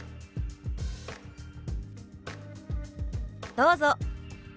どうぞ。